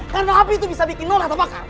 karena api itu bisa bikin nolah atau bakar